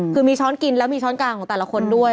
คือมีช้อนกินแล้วมีช้อนกลางของแต่ละคนด้วย